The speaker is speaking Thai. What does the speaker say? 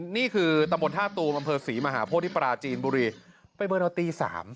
นี่คือตะบดธาตุบำเภอศรีมหาโพธิปราชีนบุรีไปเบิร์นเอาตีสาม